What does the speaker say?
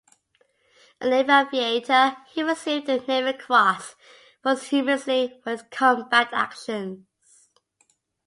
A Naval aviator, he received the Navy Cross posthumously for his combat actions.